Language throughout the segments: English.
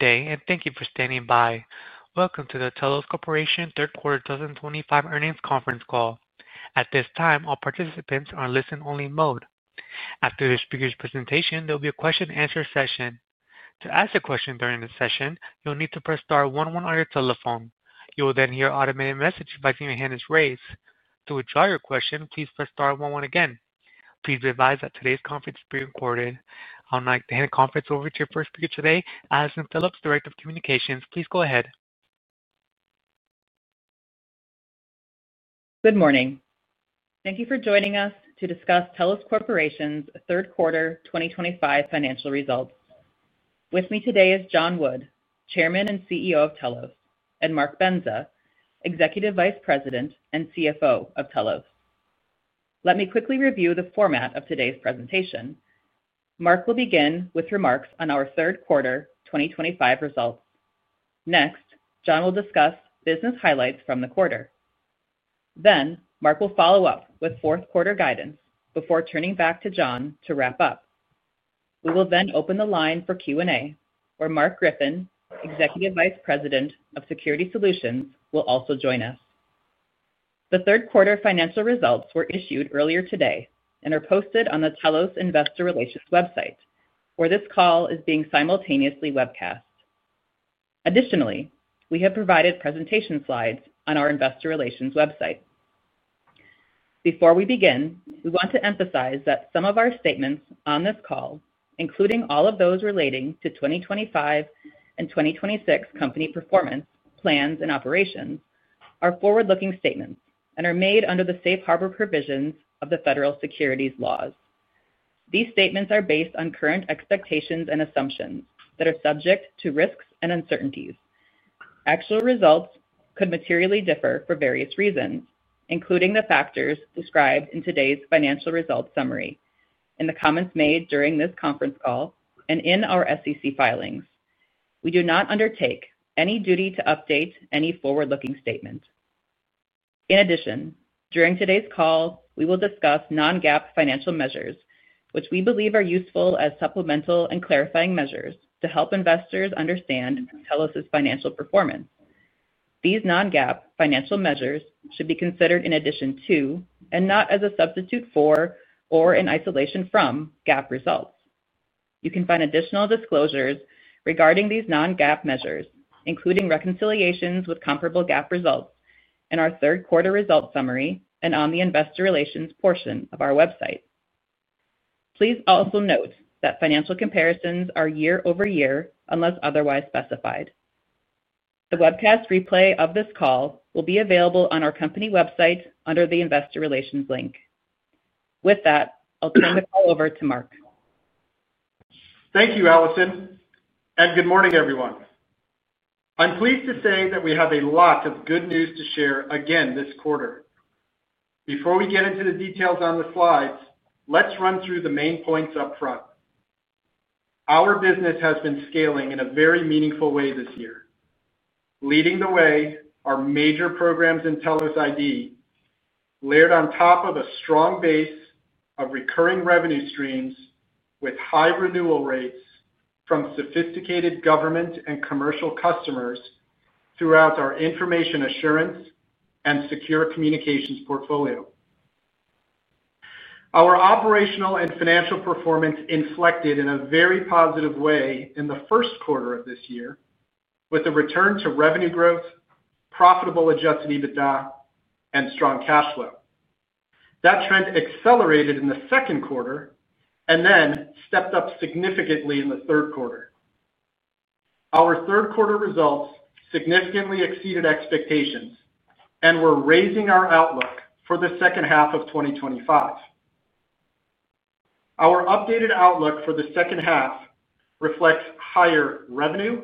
Good day, and thank you for standing by. Welcome to the Telos Corporation Third Quarter 2025 Earnings Conference Call. At this time, all participants are in listen-only mode. After the speaker's presentation, there will be a question-and-answer session. To ask a question during this session, you'll need to press star 1 1 on your telephone. You will then hear an automated message inviting you to hand this raise. To withdraw your question, please press star 1 1 again. Please be advised that today's conference is being recorded. I would like to hand the conference over to your first speaker today, Allison Phillipp, Director of Communications. Please go ahead. Good morning. Thank you for joining us to discuss Telos Corporation's Third Quarter 2025 Financial Results. With me today is John Wood, Chairman and CEO of Telos, and Mark Bendza, Executive Vice President and CFO of Telos. Let me quickly review the format of today's presentation. Mark will begin with remarks on our Third Quarter 2025 results. Next, John will discuss business highlights from the quarter. Then, Mark will follow up with fourth quarter guidance before turning back to John to wrap up. We will then open the line for Q&A, where Mark Griffin, Executive Vice President of Security Solutions, will also join us. The third quarter financial results were issued earlier today and are posted on the Telos Investor Relations website, where this call is being simultaneously webcast. Additionally, we have provided presentation slides on our Investor Relations website. Before we begin, we want to emphasize that some of our statements on this call, including all of those relating to 2025 and 2026 company performance, plans, and operations, are forward-looking statements and are made under the safe harbor provisions of the federal securities laws. These statements are based on current expectations and assumptions that are subject to risks and uncertainties. Actual results could materially differ for various reasons, including the factors described in today's financial results summary, in the comments made during this conference call, and in our SEC filings. We do not undertake any duty to update any forward-looking statement. In addition, during today's call, we will discuss non-GAAP financial measures, which we believe are useful as supplemental and clarifying measures to help investors understand Telos's financial performance. These non-GAAP financial measures should be considered in addition to, and not as a substitute for, or in isolation from, GAAP results. You can find additional disclosures regarding these non-GAAP measures, including reconciliations with comparable GAAP results, in our Third Quarter Results Summary and on the Investor Relations portion of our website. Please also note that financial comparisons are year-over-year unless otherwise specified. The webcast replay of this call will be available on our company website under the Investor Relations link. With that, I'll turn the call over to Mark. Thank you, Allison. Good morning, everyone. I'm pleased to say that we have a lot of good news to share again this quarter. Before we get into the details on the slides, let's run through the main points upfront. Our business has been scaling in a very meaningful way this year. Leading the way are major programs in Telos ID, layered on top of a strong base of recurring revenue streams with high renewal rates from sophisticated government and commercial customers throughout our information assurance and secure communications portfolio. Our operational and financial performance inflected in a very positive way in the first quarter of this year, with a return to revenue growth, profitable adjusted EBITDA, and strong cash flow. That trend accelerated in the second quarter and then stepped up significantly in the third quarter. Our third quarter results significantly exceeded expectations and we are raising our outlook for the second half of 2025. Our updated outlook for the second half reflects higher revenue,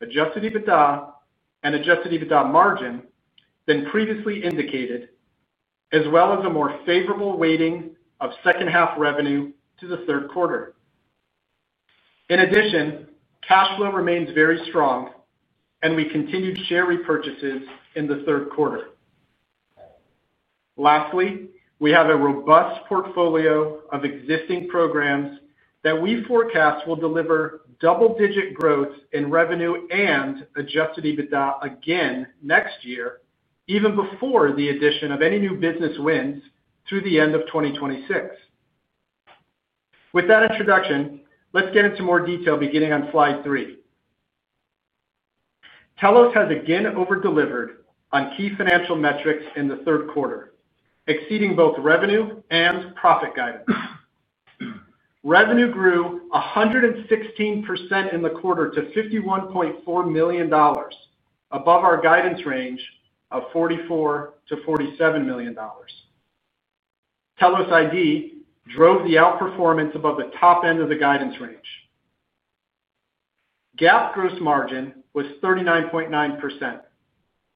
adjusted EBITDA, and adjusted EBITDA margin than previously indicated, as well as a more favorable weighting of second half revenue to the third quarter. In addition, cash flow remains very strong, and we continue to share repurchases in the third quarter. Lastly, we have a robust portfolio of existing programs that we forecast will deliver double-digit growth in revenue and adjusted EBITDA again next year, even before the addition of any new business wins through the end of 2026. With that introduction, let's get into more detail beginning on slide three. Telos has again overdelivered on key financial metrics in the third quarter, exceeding both revenue and profit guidance. Revenue grew 116% in the quarter to $51.4 million, above our guidance range of $44-$47 million. Telos ID drove the outperformance above the top end of the guidance range. GAAP gross margin was 39.9%,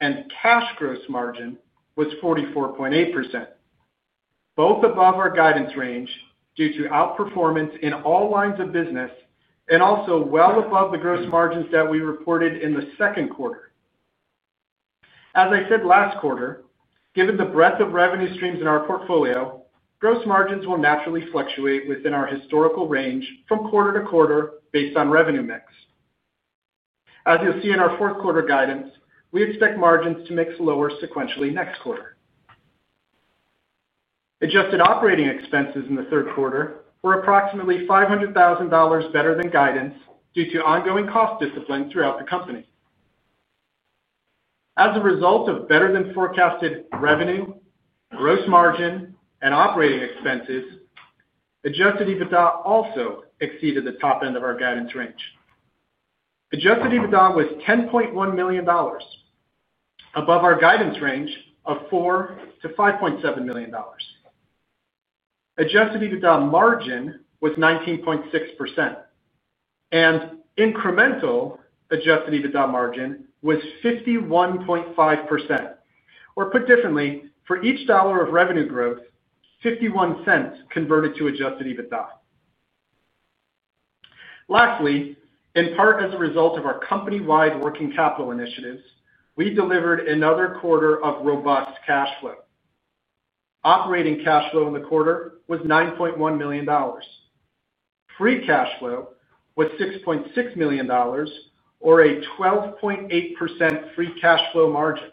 and cash gross margin was 44.8%, both above our guidance range due to outperformance in all lines of business and also well above the gross margins that we reported in the second quarter. As I said last quarter, given the breadth of revenue streams in our portfolio, gross margins will naturally fluctuate within our historical range from quarter to quarter based on revenue mix. As you'll see in our fourth quarter guidance, we expect margins to mix lower sequentially next quarter. Adjusted operating expenses in the third quarter were approximately $500,000 better than guidance due to ongoing cost discipline throughout the company. As a result of better than forecasted revenue, gross margin, and operating expenses, adjusted EBITDA also exceeded the top end of our guidance range. Adjusted EBITDA was $10.1 million, above our guidance range of $4-$5.7 million. Adjusted EBITDA margin was 19.6%, and incremental adjusted EBITDA margin was 51.5%. Or put differently, for each dollar of revenue growth, 51 cents converted to adjusted EBITDA. Lastly, in part as a result of our company-wide working capital initiatives, we delivered another quarter of robust cash flow. Operating cash flow in the quarter was $9.1 million. Free cash flow was $6.6 million, or a 12.8% free cash flow margin.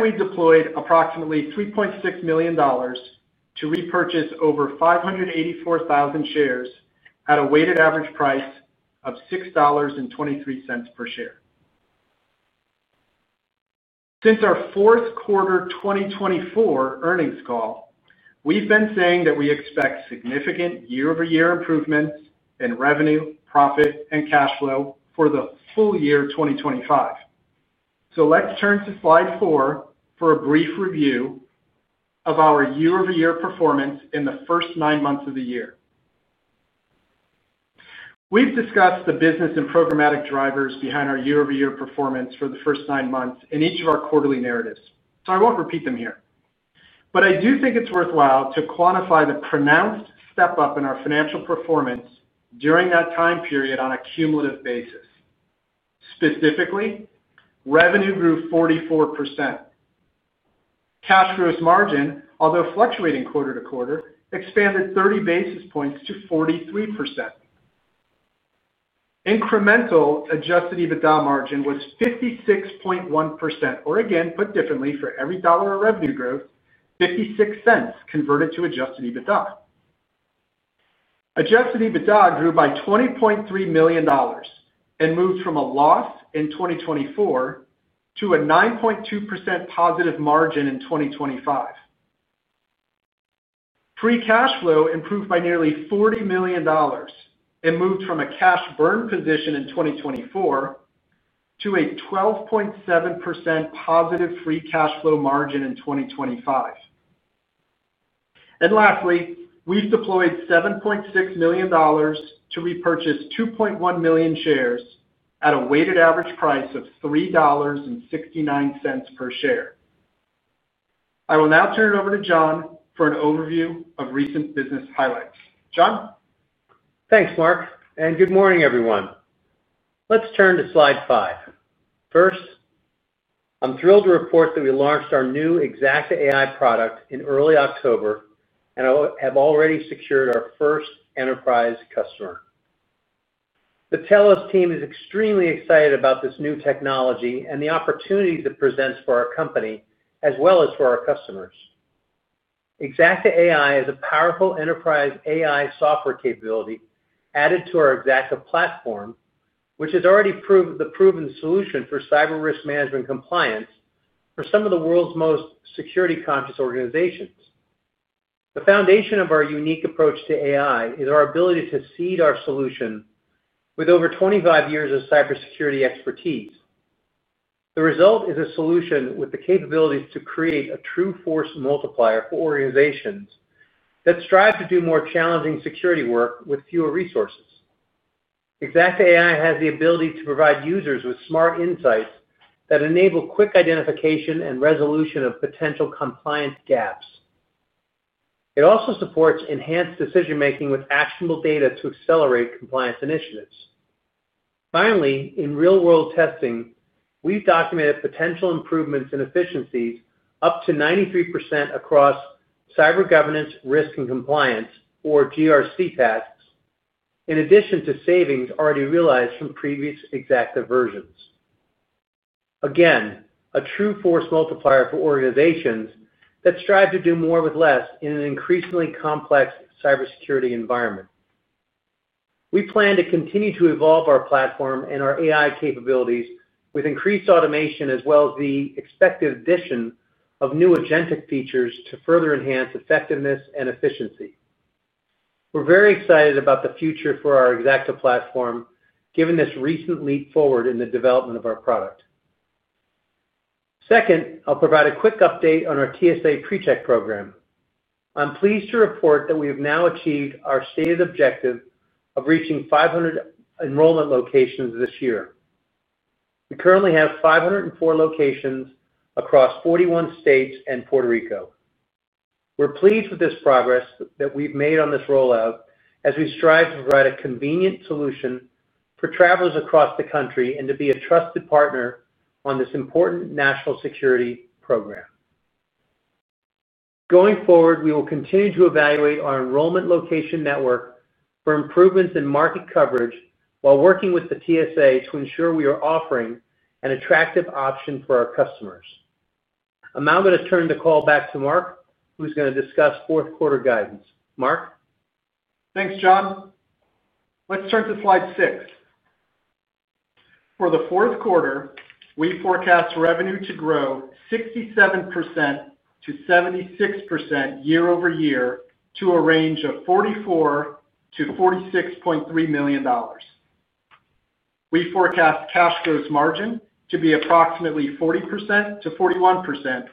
We deployed approximately $3.6 million to repurchase over 584,000 shares at a weighted average price of $6.23 per share. Since our fourth quarter 2024 earnings call, we've been saying that we expect significant year-over-year improvements in revenue, profit, and cash flow for the full year 2025. Let's turn to slide four for a brief review of our year-over-year performance in the first nine months of the year. We've discussed the business and programmatic drivers behind our year-over-year performance for the first nine months in each of our quarterly narratives. I won't repeat them here. I do think it's worthwhile to quantify the pronounced step-up in our financial performance during that time period on a cumulative basis. Specifically, revenue grew 44%. Cash gross margin, although fluctuating quarter to quarter, expanded 30 basis points to 43%. Incremental adjusted EBITDA margin was 56.1%. Or, again, put differently, for every dollar of revenue growth, 56 cents converted to adjusted EBITDA. Adjusted EBITDA grew by $20.3 million and moved from a loss in 2024 to a 9.2% positive margin in 2025. Free cash flow improved by nearly $40 million and moved from a cash burn position in 2024 to a 12.7% positive free cash flow margin in 2025. Lastly, we've deployed $7.6 million to repurchase 2.1 million shares at a weighted average price of $3.69 per share. I will now turn it over to John for an overview of recent business highlights. John? Thanks, Mark. Good morning, everyone. Let's turn to slide five. First, I'm thrilled to report that we launched our new Xacta.ai product in early October, and I have already secured our first enterprise customer. The Telos team is extremely excited about this new technology and the opportunities it presents for our company, as well as for our customers. Xacta.ai is a powerful enterprise AI software capability added to our Xacta platform, which has already proved the proven solution for cyber risk management compliance for some of the world's most security-conscious organizations. The foundation of our unique approach to AI is our ability to seed our solution with over 25 years of cybersecurity expertise. The result is a solution with the capabilities to create a true force multiplier for organizations that strive to do more challenging security work with fewer resources. Xacta.ai has the ability to provide users with smart insights that enable quick identification and resolution of potential compliance gaps. It also supports enhanced decision-making with actionable data to accelerate compliance initiatives. Finally, in real-world testing, we've documented potential improvements in efficiencies up to 93% across cyber governance, risk, and compliance, or GRC tasks, in addition to savings already realized from previous Xacta versions. Again, a true force multiplier for organizations that strive to do more with less in an increasingly complex cybersecurity environment. We plan to continue to evolve our platform and our AI capabilities with increased automation, as well as the expected addition of new agentic features to further enhance effectiveness and efficiency. We're very excited about the future for our Xacta platform, given this recent leap forward in the development of our product. Second, I'll provide a quick update on our TSA PreCheck program. I'm pleased to report that we have now achieved our stated objective of reaching 500 enrollment locations this year. We currently have 504 locations across 41 states and Puerto Rico. We're pleased with this progress that we've made on this rollout as we strive to provide a convenient solution for travelers across the country and to be a trusted partner on this important national security program. Going forward, we will continue to evaluate our enrollment location network for improvements in market coverage while working with the TSA to ensure we are offering an attractive option for our customers. I'm now going to turn the call back to Mark, who's going to discuss fourth quarter guidance. Mark? Thanks, John. Let's turn to slide six. For the fourth quarter, we forecast revenue to grow 67%-76% year-over-year to a range of $44-$46.3 million. We forecast cash gross margin to be approximately 40%-41%,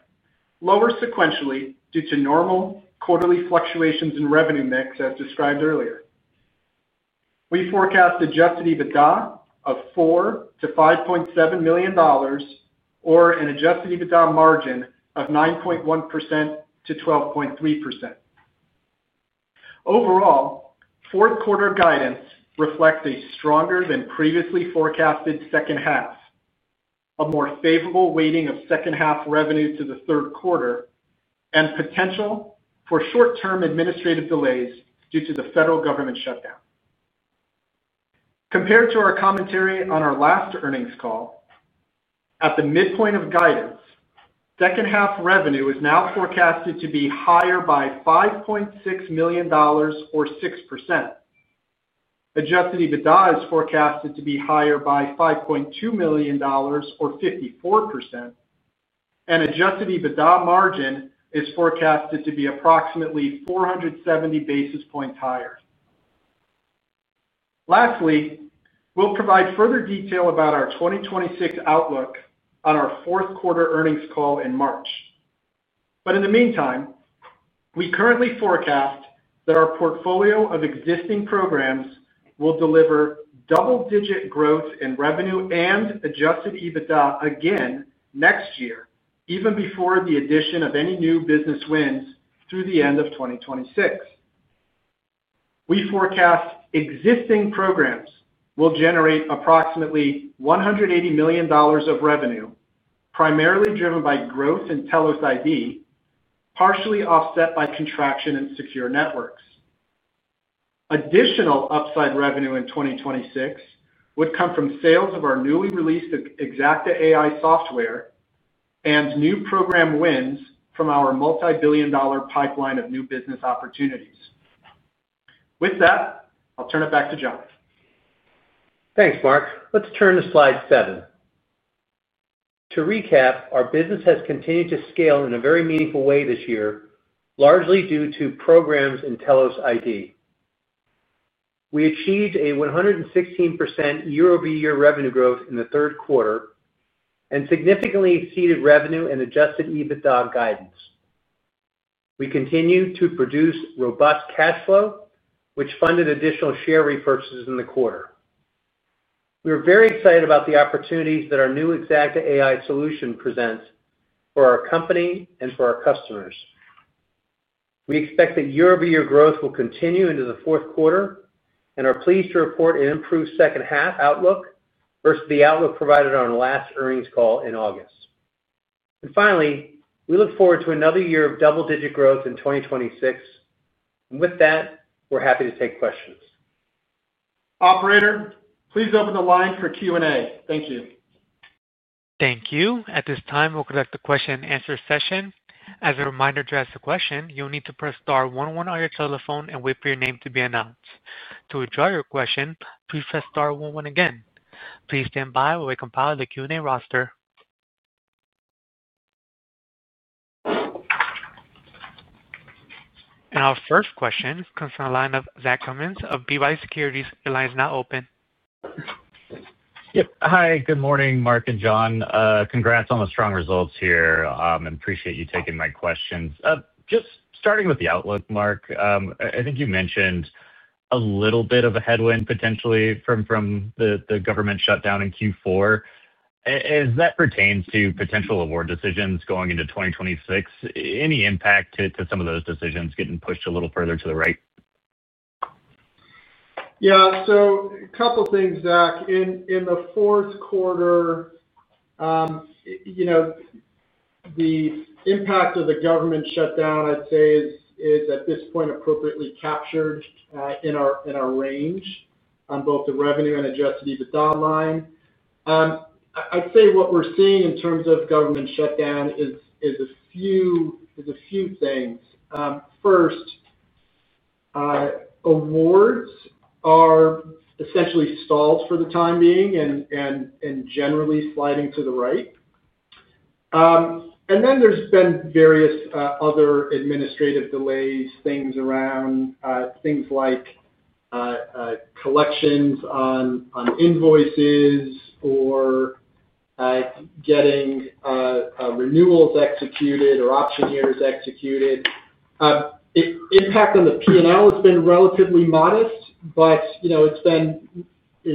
lower sequentially due to normal quarterly fluctuations in revenue mix, as described earlier. We forecast adjusted EBITDA of $4-$5.7 million, or an adjusted EBITDA margin of 9.1%-12.3%. Overall, fourth quarter guidance reflects a stronger than previously forecasted second half, a more favorable weighting of second half revenue to the third quarter, and potential for short-term administrative delays due to the federal government shutdown. Compared to our commentary on our last earnings call, at the midpoint of guidance, second half revenue is now forecasted to be higher by $5.6 million, or 6%. Adjusted EBITDA is forecasted to be higher by $5.2 million, or 54%, and adjusted EBITDA margin is forecasted to be approximately 470 basis points higher. Lastly, we will provide further detail about our 2026 outlook on our fourth quarter earnings call in March. In the meantime, we currently forecast that our portfolio of existing programs will deliver double-digit growth in revenue and adjusted EBITDA again next year, even before the addition of any new business wins through the end of 2026. We forecast existing programs will generate approximately $180 million of revenue, primarily driven by growth in Telos ID, partially offset by contraction in secure networks. Additional upside revenue in 2026 would come from sales of our newly released Xacta.ai software and new program wins from our multi-billion dollar pipeline of new business opportunities. With that, I will turn it back to John. Thanks, Mark. Let's turn to slide seven. To recap, our business has continued to scale in a very meaningful way this year, largely due to programs in Telos ID. We achieved a 116% year-over-year revenue growth in the third quarter and significantly exceeded revenue and adjusted EBITDA guidance. We continue to produce robust cash flow, which funded additional share repurchases in the quarter. We are very excited about the opportunities that our new Xacta.ai solution presents for our company and for our customers. We expect that year-over-year growth will continue into the fourth quarter and are pleased to report an improved second half outlook versus the outlook provided on our last earnings call in August. Finally, we look forward to another year of double-digit growth in 2026. With that, we're happy to take questions. Operator, please open the line for Q&A. Thank you. Thank you. At this time, we'll conduct the question and answer session. As a reminder, to ask a question, you'll need to press star one one on your telephone and wait for your name to be announced. To withdraw your question, please press star one one again. Please stand by while we compile the Q&A roster. Our first question concerns the line of Zach Cummins of B. Riley Securities. Your line is now open. Yep. Hi, good morning, Mark and John. Congrats on the strong results here. I appreciate you taking my questions. Just starting with the outlook, Mark, I think you mentioned a little bit of a headwind potentially from the government shutdown in Q4. As that pertains to potential award decisions going into 2026, any impact to some of those decisions getting pushed a little further to the right? Yeah. So a couple of things, Zach. In the fourth quarter, the impact of the government shutdown, I'd say, is at this point appropriately captured in our range on both the revenue and adjusted EBITDA line. I'd say what we're seeing in terms of government shutdown is a few things. First, awards are essentially stalled for the time being and generally sliding to the right. Then there's been various other administrative delays, things around things like collections on invoices or getting renewals executed or option years executed. Impact on the P&L has been relatively modest, but it's been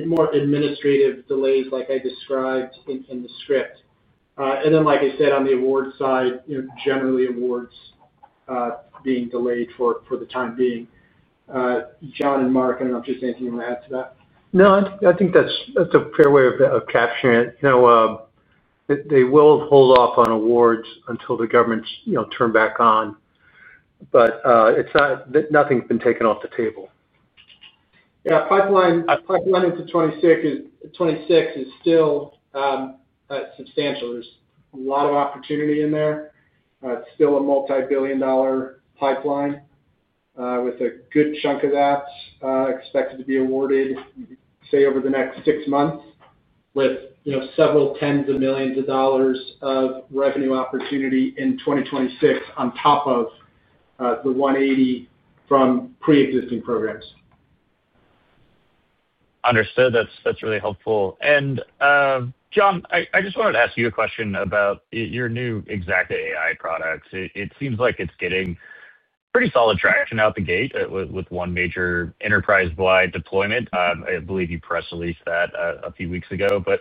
more administrative delays, like I described in the script. Like I said, on the award side, generally awards being delayed for the time being. John and Mark, I don't know if there's anything you want to add to that. No, I think that's a fair way of capturing it. They will hold off on awards until the government's turned back on, but nothing's been taken off the table. Yeah. Pipeline into 2026 is still substantial. There's a lot of opportunity in there. It's still a multi-billion dollar pipeline with a good chunk of that expected to be awarded, say, over the next six months, with several tens of millions of dollars of revenue opportunity in 2026 on top of the $180 million from pre-existing programs. Understood. That's really helpful. John, I just wanted to ask you a question about your new Xacta.ai product. It seems like it's getting pretty solid traction out the gate with one major enterprise-wide deployment. I believe you press released that a few weeks ago. Can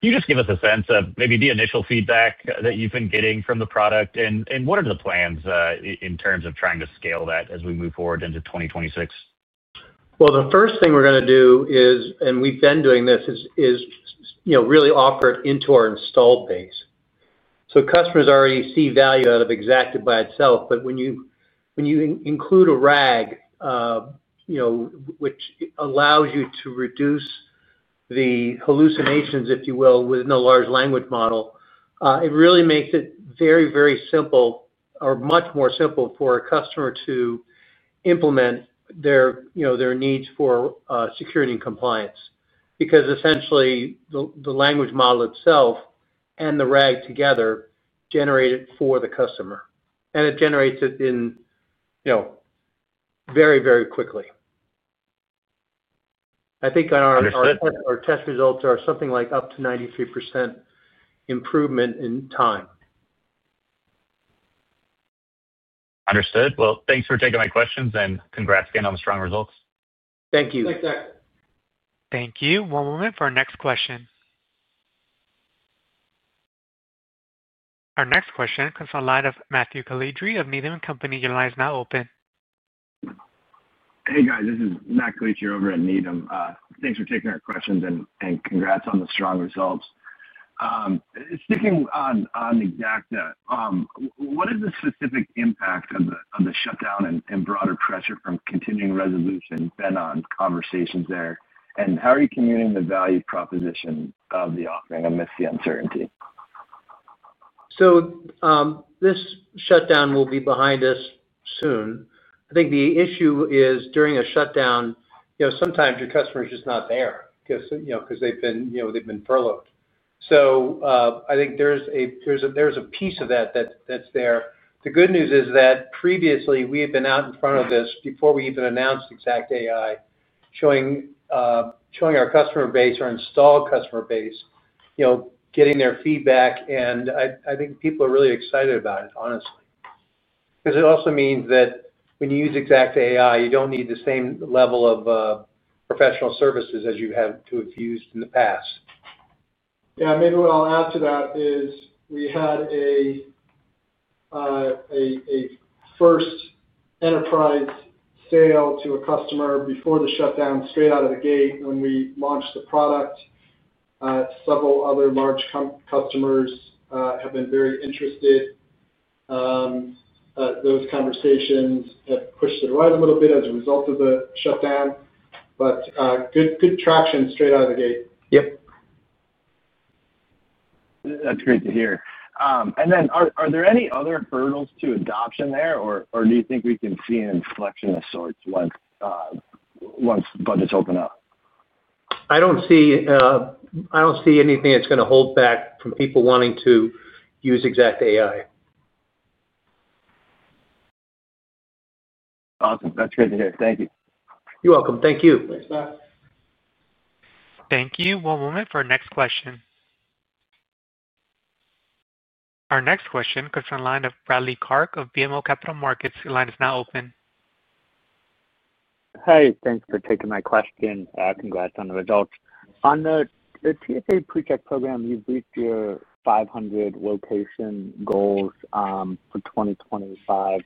you just give us a sense of maybe the initial feedback that you've been getting from the product? What are the plans in terms of trying to scale that as we move forward into 2026? The first thing we're going to do is, and we've been doing this, is really offer it into our installed base. Customers already see value out of Xacta by itself. When you include a RAG, which allows you to reduce the hallucinations, if you will, within the large language model, it really makes it very, very simple or much more simple for a customer to implement their needs for security and compliance because, essentially, the language model itself and the RAG together generate it for the customer. It generates it very, very quickly. I think our test results are something like up to 93% improvement in time. Understood. Thanks for taking my questions and congrats again on the strong results. Thank you. Thanks, Zach. Thank you. One moment for our next question. Our next question comes from the line of Matthew Calitri of Needham & Company. Your line is now open. Hey, guys. This is Matthew Calitri over at Needham. Thanks for taking our questions and congrats on the strong results. Speaking on Xacta, what is the specific impact of the shutdown and broader pressure from continuing resolution? Been on conversations there. How are you communicating the value proposition of the offering amidst the uncertainty? This shutdown will be behind us soon. I think the issue is during a shutdown, sometimes your customer is just not there because they've been furloughed. I think there's a piece of that that's there. The good news is that previously, we had been out in front of this before we even announced Xacta.ai, showing our customer base or installed customer base, getting their feedback. I think people are really excited about it, honestly, because it also means that when you use Xacta.ai, you don't need the same level of professional services as you have to have used in the past. Yeah. Maybe what I'll add to that is we had a first enterprise sale to a customer before the shutdown straight out of the gate when we launched the product. Several other large customers have been very interested. Those conversations have pushed it right a little bit as a result of the shutdown. Good traction straight out of the gate. Yep. That's great to hear. Are there any other hurdles to adoption there, or do you think we can see an inflection of sorts once budgets open up? I don't see anything that's going to hold back from people wanting to use Xacta.ai. Awesome. That's great to hear. Thank you. You're welcome. Thank you. Thanks, Zach. Thank you. One moment for our next question. Our next question comes from the line of Bradley Clark of BMO Capital Markets. Your line is now open. Hi. Thanks for taking my question. Congrats on the results. On the TSA PreCheck program, you've reached your 500 location goals for 2025.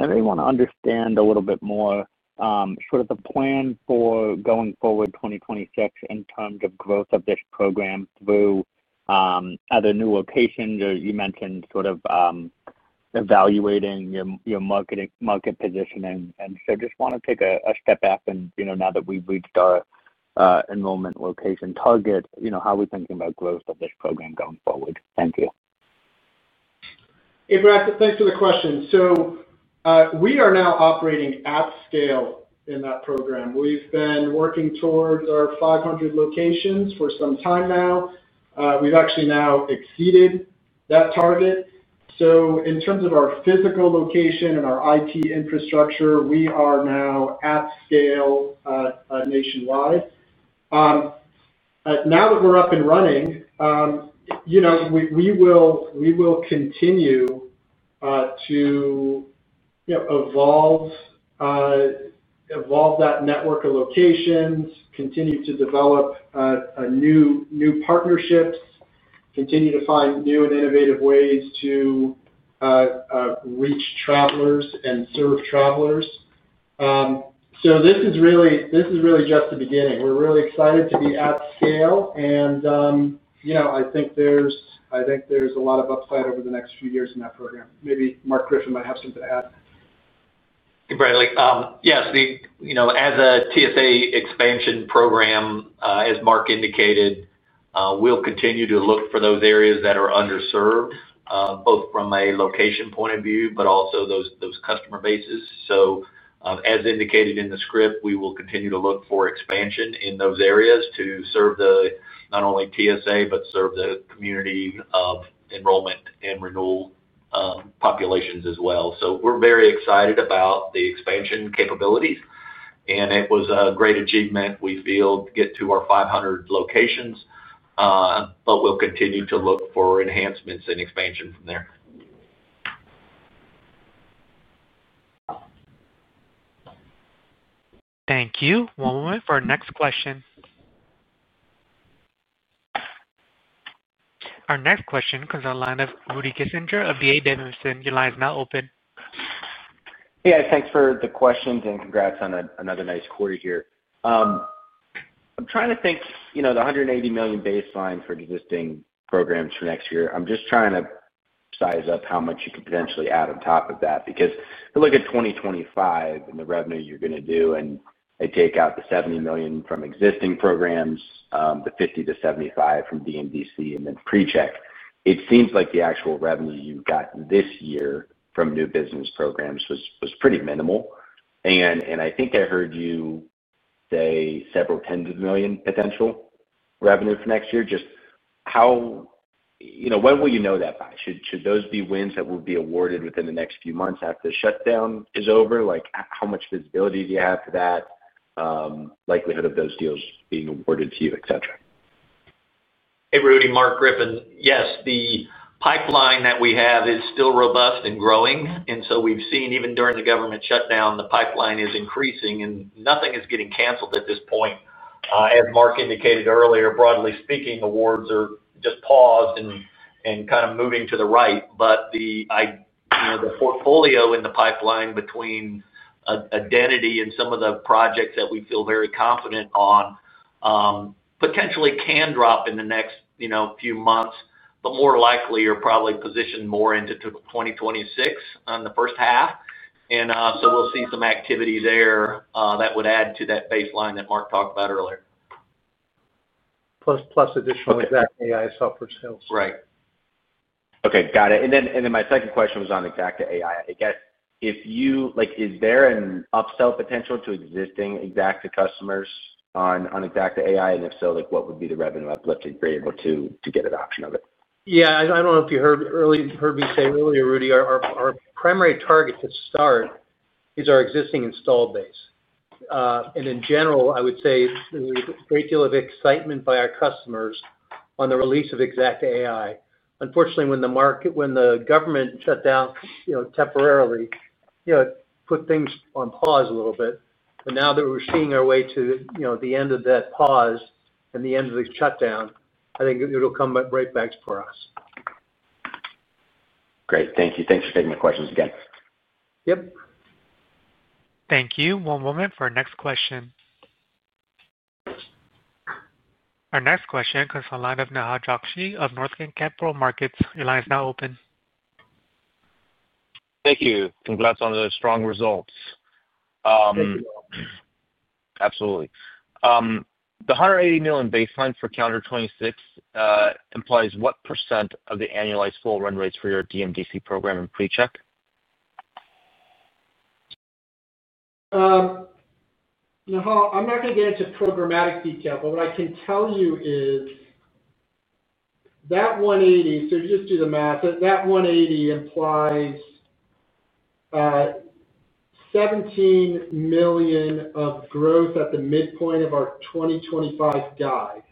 I really want to understand a little bit more, sort of the plan for going forward 2026 in terms of growth of this program through other new locations. You mentioned sort of evaluating your market positioning. I just want to take a step back. Now that we've reached our enrollment location target, how are we thinking about growth of this program going forward? Thank you. Hey, Brad. Thanks for the question. We are now operating at scale in that program. We've been working towards our 500 locations for some time now. We've actually now exceeded that target. In terms of our physical location and our IT infrastructure, we are now at scale nationwide. Now that we're up and running, we will continue to evolve that network of locations, continue to develop new partnerships, continue to find new and innovative ways to reach travelers and serve travelers. This is really just the beginning. We're really excited to be at scale. I think there's a lot of upside over the next few years in that program. Maybe Mark Griffin might have something to add. Hey, Bradley. Yes. As a TSA expansion program, as Mark indicated, we'll continue to look for those areas that are underserved, both from a location point of view, but also those customer bases. As indicated in the script, we will continue to look for expansion in those areas to serve not only TSA, but serve the community of enrollment and renewal populations as well. We're very excited about the expansion capabilities. It was a great achievement, we feel, to get to our 500 locations. We'll continue to look for enhancements and expansion from there. Thank you. One moment for our next question. Our next question comes from the line of Rudy Kessinger of D.A. Davidson. Your line is now open. Hey, guys. Thanks for the questions and congrats on another nice quarter here. I'm trying to think the $180 million baseline for existing programs for next year. I'm just trying to size up how much you could potentially add on top of that because if you look at 2025 and the revenue you're going to do and they take out the $70 million from existing programs, the $50 million-$75 million from DMDC and then PreCheck, it seems like the actual revenue you've got this year from new business programs was pretty minimal. And I think I heard you say several tens of million potential revenue for next year. Just when will you know that by? Should those be wins that will be awarded within the next few months after the shutdown is over? How much visibility do you have to that, likelihood of those deals being awarded to you, etc.? Hey, Rudy, Mark Griffin. Yes, the pipeline that we have is still robust and growing. We have seen even during the government shutdown, the pipeline is increasing, and nothing is getting canceled at this point. As Mark indicated earlier, broadly speaking, awards are just paused and kind of moving to the right. The portfolio in the pipeline between identity and some of the projects that we feel very confident on potentially can drop in the next few months, but more likely are probably positioned more into 2026 on the first half. We will see some activity there that would add to that baseline that Mark talked about earlier. Plus additional Xacta.ai software sales. Right. Okay. Got it. My second question was on Xacta.ai. I guess, is there an upsell potential to existing Xacta customers on Xacta.ai? If so, what would be the uplifting for you to get adoption of it? Yeah. I don't know if you heard me say earlier, Rudy, our primary target to start is our existing installed base. In general, I would say there was a great deal of excitement by our customers on the release of Xacta.ai. Unfortunately, when the government shut down temporarily, it put things on pause a little bit. Now that we're seeing our way to the end of that pause and the end of the shutdown, I think it'll come at breakneck for us. Great. Thank you. Thanks for taking my questions again. Yep. Thank you. One moment for our next question. Our next question comes from the line of Nehal Chokshi of Northland Capital Markets. Your line is now open. Thank you. Congrats on the strong results. Thank you. Absolutely. The $180 million baseline for calendar 2026 implies what % of the annualized full run rates for your DMDC program and PreCheck? Nehal, I'm not going to get into programmatic detail, but what I can tell you is that 180—so just do the math—that 180 implies $17 million of growth at the midpoint of our 2025 guide.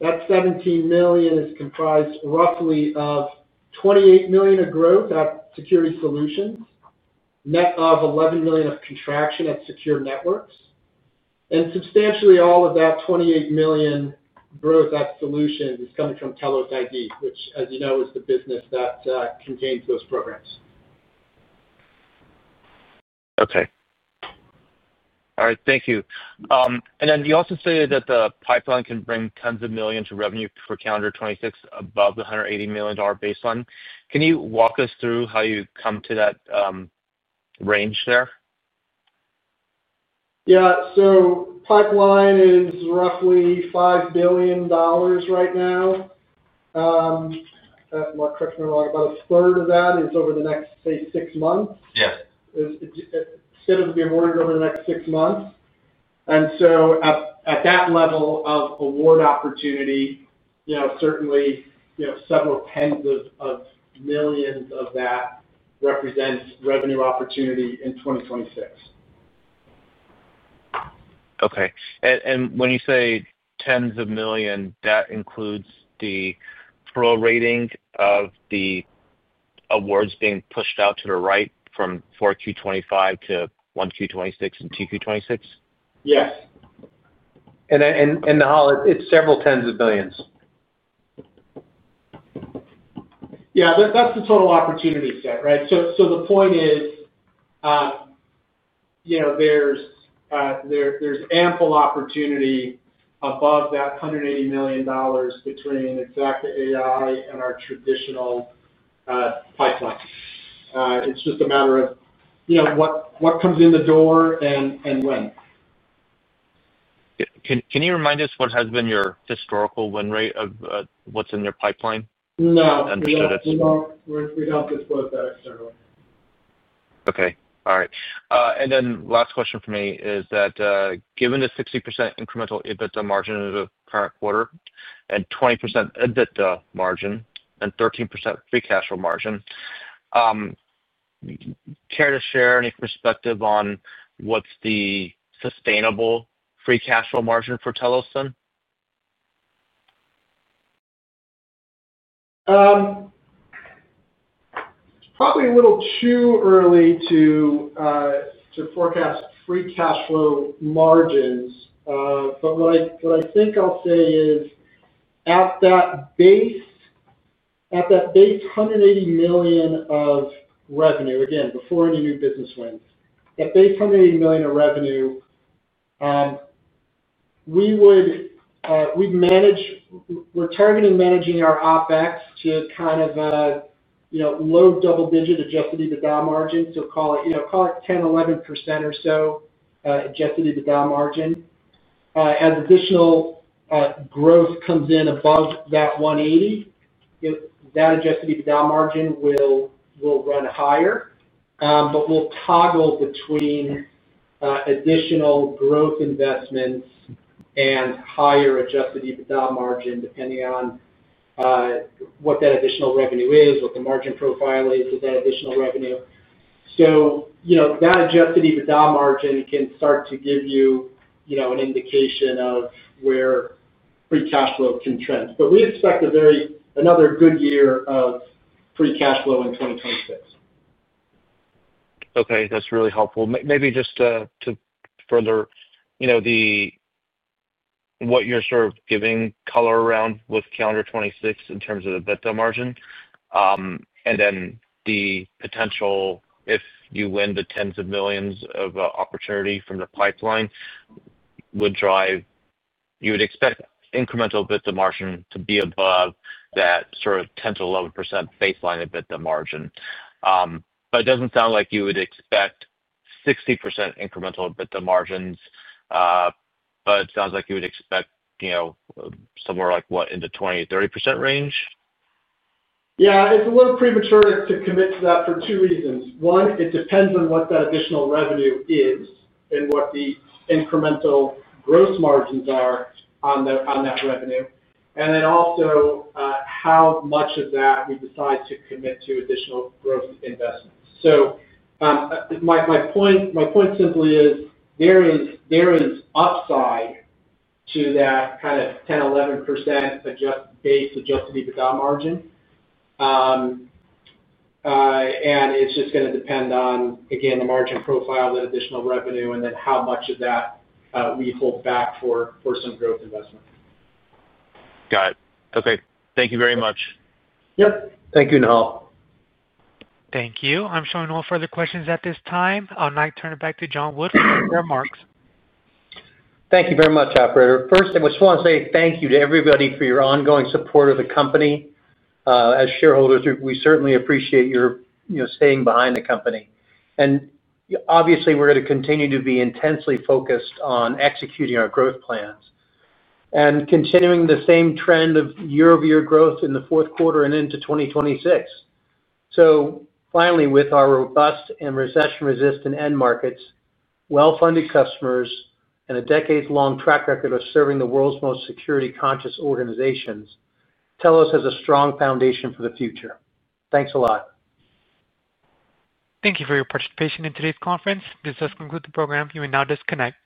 That $17 million is comprised roughly of $28 million of growth at security solutions, net of $11 million of contraction at secure networks. And substantially, all of that $28 million growth at solutions is coming from Telos ID, which, as you know, is the business that contains those programs. Okay. All right. Thank you. You also stated that the pipeline can bring tens of millions of revenue for calendar 2026 above the $180 million baseline. Can you walk us through how you come to that range there? Yeah. So pipeline is roughly $5 billion right now. Mark Griffin, we're talking about a third of that is over the next, say, six months. Yes. It's going to be awarded over the next six months. At that level of award opportunity, certainly several tens of millions of that represents revenue opportunity in 2026. Okay. When you say tens of millions, that includes the pro rating of the awards being pushed out to the right from 4Q 2025 to 1Q 2026 and 2Q 2026? Yes. Nehal, it's several tens of millions. Yeah. That's the total opportunity set, right? So the point is there's ample opportunity above that $180 million between Xacta.ai and our traditional pipeline. It's just a matter of what comes in the door and when. Can you remind us what has been your historical win rate of what's in your pipeline? No. Understood. We don't disclose that externally. Okay. All right. And then last question for me is that given the 60% incremental EBITDA margin of the current quarter and 20% EBITDA margin and 13% free cash flow margin, care to share any perspective on what's the sustainable free cash flow margin for Telos then? It's probably a little too early to forecast free cash flow margins. What I think I'll say is at that base $180 million of revenue, again, before any new business wins, that base $180 million of revenue, we're targeting managing our OpEx to kind of low double-digit adjusted EBITDA margin. Call it 10%, 11% or so adjusted EBITDA margin. As additional growth comes in above that $180 million, that adjusted EBITDA margin will run higher. We'll toggle between additional growth investments and higher adjusted EBITDA margin depending on what that additional revenue is, what the margin profile is of that additional revenue. That adjusted EBITDA margin can start to give you an indication of where free cash flow can trend. We expect another good year of free cash flow in 2026. Okay. That's really helpful. Maybe just to further what you're sort of giving color around with calendar 2026 in terms of EBITDA margin. And then the potential, if you win the tens of millions of opportunity from the pipeline, would drive you would expect incremental EBITDA margin to be above that sort of 10%-11% baseline EBITDA margin. But it doesn't sound like you would expect 60% incremental EBITDA margins. But it sounds like you would expect somewhere like what, in the 20%-30% range? Yeah. It's a little premature to commit to that for two reasons. One, it depends on what that additional revenue is and what the incremental gross margins are on that revenue. Also, how much of that we decide to commit to additional growth investments. My point simply is there is upside to that kind of 10%, 11% base adjusted EBITDA margin. It's just going to depend on, again, the margin profile, that additional revenue, and then how much of that we hold back for some growth investment. Got it. Okay. Thank you very much. Yep. Thank you, Nehal. Thank you. I'm showing no further questions at this time. I'll now turn it back to John Wood for some remarks. Thank you very much, operator. First, I just want to say thank you to everybody for your ongoing support of the company. As shareholders, we certainly appreciate your staying behind the company. Obviously, we're going to continue to be intensely focused on executing our growth plans and continuing the same trend of year-over-year growth in the fourth quarter and into 2026. Finally, with our robust and recession-resistant end markets, well-funded customers, and a decades-long track record of serving the world's most security-conscious organizations, Telos has a strong foundation for the future. Thanks a lot. Thank you for your participation in today's conference. This does conclude the program. You may now disconnect.